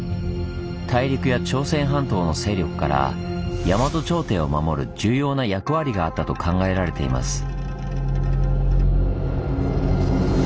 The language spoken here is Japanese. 大陸や朝鮮半島の勢力から大和朝廷を守る重要な役割があったと考えられています。